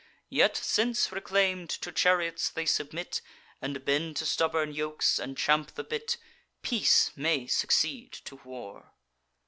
Yet, since reclaim'd to chariots they submit, And bend to stubborn yokes, and champ the bit, Peace may succeed to war.